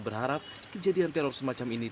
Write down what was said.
berharap kejadian teror semacam ini